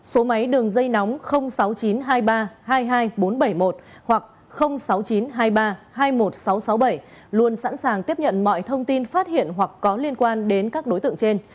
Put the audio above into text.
số máy đường dây nóng sáu mươi chín hai mươi ba hai mươi hai nghìn bốn trăm bảy mươi một hoặc sáu mươi chín hai mươi ba hai mươi một nghìn sáu trăm sáu mươi bảy luôn sẵn sàng tiếp nhận mọi thông tin phát hiện hoặc có liên quan đến các đối tượng trên